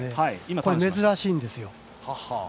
これ、珍しいんですよ。